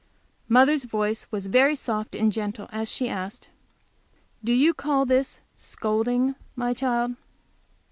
Mother's voice was very soft and gentle as she asked, "Do you call this 'scolding,' my child?"